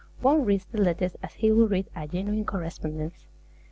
One reads the letters as he would read a genuine correspondence.